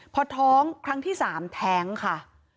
พอท้องครั้งที่๓แท้งค่ะ